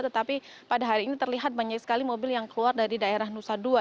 tetapi pada hari ini terlihat banyak sekali mobil yang keluar dari daerah nusa dua